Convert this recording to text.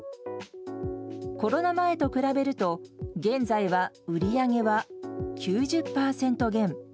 コロナ前と比べると、現在は売り上げは９０％減。